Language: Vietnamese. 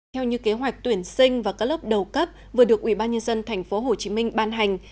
theo như kế hoạch tuyển sinh vào các lớp đầu cấp vừa được ubnd tp hcm ban hành